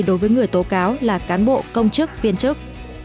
đối với người tố cáo là cán bộ công chức viên chức